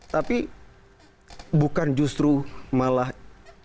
tapi bukan justru malah sebagai pembuat